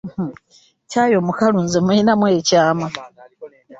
Caayi omukalu nze mmulinamu ekyama.